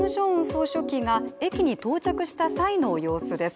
総書記が駅に到着した際の様子です。